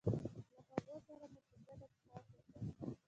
له هغو سره مو په ګډه څښاک وکړ.